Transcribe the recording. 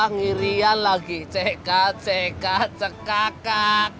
ngirian lagi cekat cekat cekakak